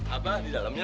apa di dalamnya